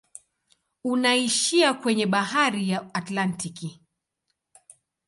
Unaishia kwenye bahari ya Atlantiki.